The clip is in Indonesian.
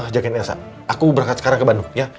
ajakin esa aku berangkat sekarang ke bandung ya